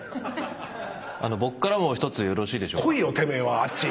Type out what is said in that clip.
僕からも１つよろしいでしょうか。